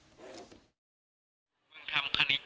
แต่ก็เหมือนกับว่าจะไปดูของเพื่อนแล้วก็ค่อยทำส่งครูลักษณะประมาณนี้นะคะ